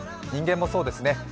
人間もそうですね。